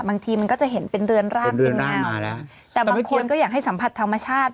บางทีมันก็จะเห็นเป็นเรือนร่างเป็นแนวแต่บางคนก็อยากให้สัมผัสธรรมชาติ